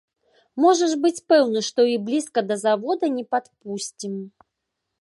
Можаш быць пэўны, што і блізка да завода не падпусцім.